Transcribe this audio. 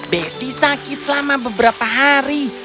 besi sakit selama beberapa hari